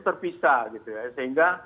terpisah gitu ya sehingga